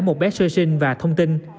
một bé sơ sinh và thông tin